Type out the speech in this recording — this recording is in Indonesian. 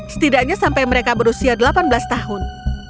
setidaknya sampai mereka berusia delapan belas tahun